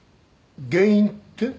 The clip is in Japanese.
原因って？